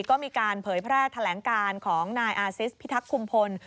ก็มีการเผยแพร่แถลงการของนายอาซิสพิทักษุมพล